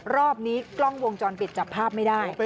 รอบนี้กล้องวงจรปิดจับภาพไม่ได้